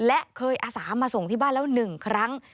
อาสามาส่งที่บ้านแล้วหนึ่งครั้ง